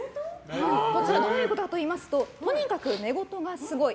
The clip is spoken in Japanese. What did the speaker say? どういうことかといいますととにかく寝言がすごい。